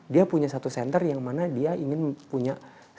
dia punya satu center yang mana dia ingin punya